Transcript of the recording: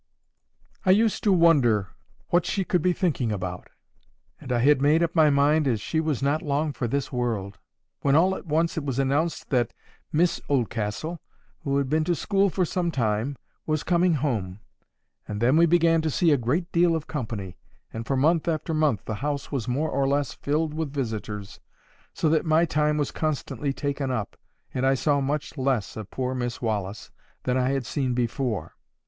I used to wonder what she could be thinking about, and I had made up my mind she was not long for this world; when all at once it was announced that Miss Oldcastle, who had been to school for some time, was coming home; and then we began to see a great deal of company, and for month after month the house was more or less filled with visitors, so that my time was constantly taken up, and I saw much less of poor Miss Wallis than I had seen before.